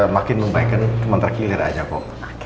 makin membaikkan kementerian giliran saja pak